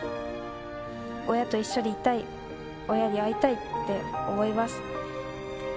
親と一緒にいたい、親に会いたいって思います。